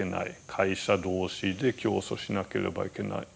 会社同士で競争しなければいけない。